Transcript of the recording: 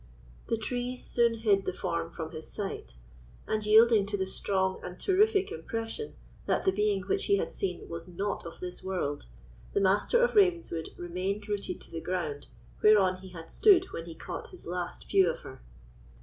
The trees soon hid the form from his sight; and, yielding to the strong and terrific impression that the being which he had seen was not of this world, the Master of Ravenswood remained rooted to the ground whereon he had stood when he caught his last view of her.